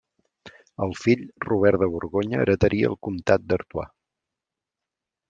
El fill Robert de Borgonya heretaria el comtat d'Artois.